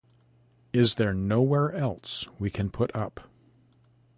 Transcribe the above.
Is there nowhere else we can put up?